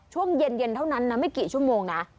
ช่วงเย็นเท่านั้นนะไม่กี่ชั่วโมงนะ